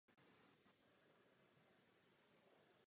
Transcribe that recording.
Vrátil se do River Plate.